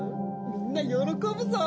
みんな喜ぶぞ！